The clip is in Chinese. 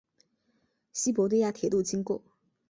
西伯利亚铁路经过。